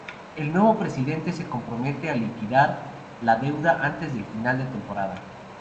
El nuevo presidente se compromete a liquidar la deuda antes de final de temporada.